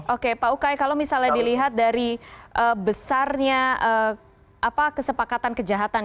oke pak ukay kalau misalnya dilihat dari besarnya kesepakatan kejahatan